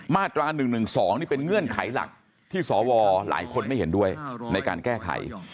มาตรา๑๑๒นี่เป็นเงื่อนไขหลักที่สวหลายคนไม่เห็นด้วยในการแก้ไข